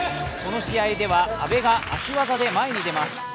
この試合では阿部が足技で前に出ます。